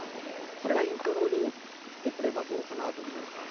それがイントロに持ってくればどうかなと思いました。